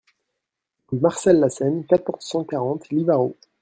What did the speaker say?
Rue Marcel Lescène, quatorze, cent quarante Livarot